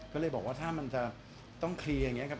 ก็เลยบอกว่าถ้ามันจะต้องเคลียร์อย่างนี้ครับ